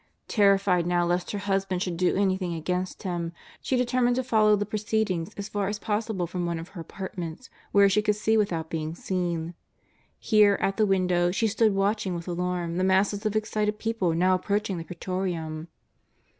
Terrified now lest her husband should do anything against Him, she determined to follow the proceedings as far as possible from one of her apart ments where she could see without being seen. Here, at the window, she stood watching with alarm the masses of excited people now approaching the Pra3 torium.